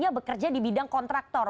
yang kerja di bidang kontraktor